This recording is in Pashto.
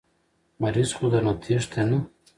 مريض خو درنه تښتي نه.